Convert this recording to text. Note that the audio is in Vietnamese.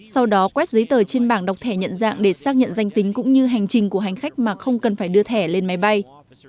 sau đó quét giấy tờ trên bảng đọc thẻ nhận dạng để xác nhận danh tính cũng như hành trình của hành khách mà không cần phải đưa thẻ lên máy bay